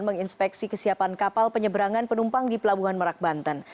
menginspeksi kesiapan kapal penyeberangan penumpang di pelabuhan merak banten